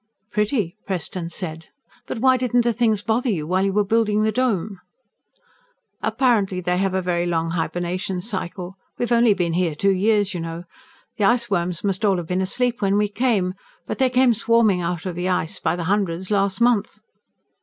"Pretty," Preston said. "But why didn't the things bother you while you were building your Dome?" "Apparently they have a very long hibernation cycle. We've only been here two years, you know. The iceworms must all have been asleep when we came. But they came swarming out of the ice by the hundreds last month."